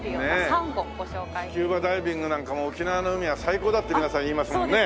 スキューバダイビングなんかも沖縄の海は最高だって皆さん言いますもんね。